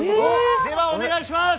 では、お願いします。